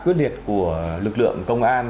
khuyết liệt của lực lượng công an